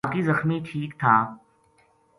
باقی زخمی ٹھیک تھا